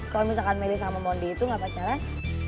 kalo misalkan meli sama mondi itu nggak pacaran